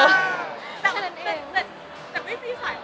แต่ไม่มีสายโอป้าเลยค่ะ